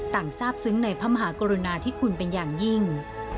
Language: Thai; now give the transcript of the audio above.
ทราบซึ้งในพระมหากรุณาที่คุณเป็นอย่างยิ่ง